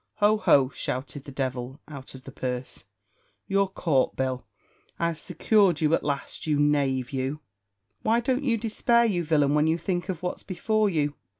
"Ho! ho!" shouted the devil out of the purse, "you're caught, Bill; I've secured you at last, you knave you. Why don't you despair, you villain, when you think of what's before you?"